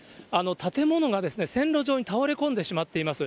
建物が線路上に倒れ込んでしまっています。